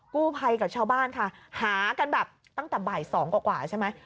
กู้ภัยกับชาวบ้านค่ะหากันแบบตั้งแต่บ่าย๒กว่าใช่ไหม